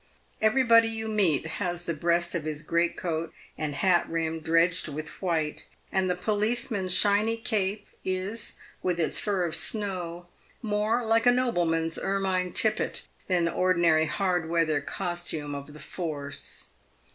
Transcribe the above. Everybodyyou meet has the breast of his great coat and hat rim dredged with white ; and the police PAVED WITH GOLD. 7 man's shiny cape is, with its fur of snow, more like a nobleman's ermine tippet than the ordinary hard weather costume of the force.